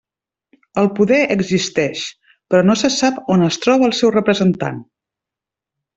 El poder existeix, però no se sap on es troba el seu representat.